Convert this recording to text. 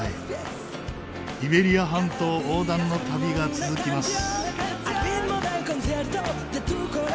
イベリア半島横断の旅が続きます。